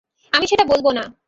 আমি সেটা বলব না।